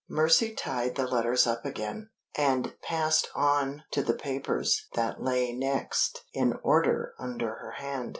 Mercy tied the letters up again, and passed on to the papers that lay next in order under her hand.